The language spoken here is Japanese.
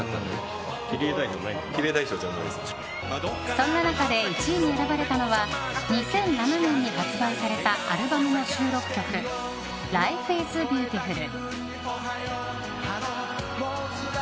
そんな中で１位に選ばれたのは２００７年に発売されたアルバムの収録曲「ライフイズビューティフル」。